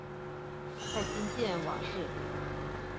在今建瓯市。